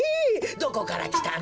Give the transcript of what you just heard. どこからきたの？